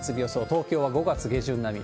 東京は５月下旬並み。